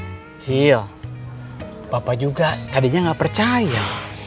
acil bapak juga tadinya gak percaya